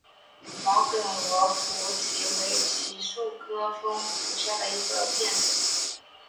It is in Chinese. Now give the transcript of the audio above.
毛梗罗浮槭为槭树科枫属下的一个变种。